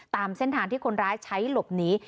ตามเส้นทางที่คนร้ายใช้หลบหนี